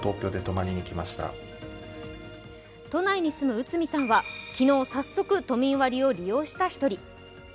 都内に住む内海さんは昨日、早速、都民割を利用した１人。